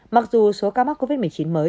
mặc dù số ca mắc covid một mươi chín mới